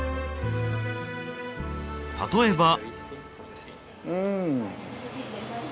例えば。